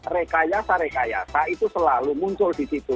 rekayasa rekayasa itu selalu muncul di situ